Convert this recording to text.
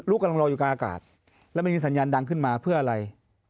กำลังรออยู่กลางอากาศแล้วมันมีสัญญาณดังขึ้นมาเพื่ออะไร